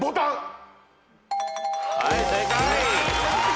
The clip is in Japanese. はい正解。